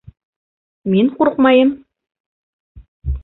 Мин ҡурҡмайым!